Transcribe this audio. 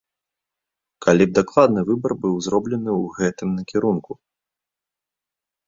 Калі б дакладны выбар быў зроблены ў гэтым накірунку.